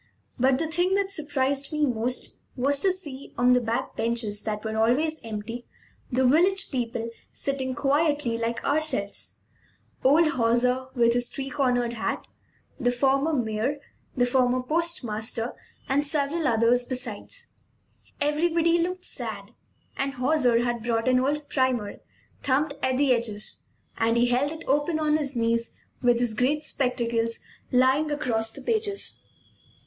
But the thing that surprised me most was to see, on the back benches that were always empty, the village people sitting quietly like ourselves; old Hauser, with his three cornered hat, the former mayor, the former postmaster, and several others besides. Everybody looked sad; and Hauser had brought an old primer, thumbed at the edges, and he held it open on his knees with his great spectacles lying across the pages.